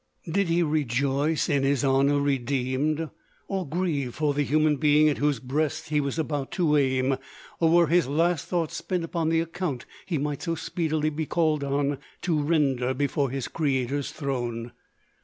Did he rejoice in his ho nour redeemed, or grieve for the human being at whose breast he was about to aim?— or were his last thoughts spent upon the account he might so speedily be called on to render before his Creator's throne?